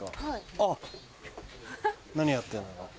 あっ何やってんだろ？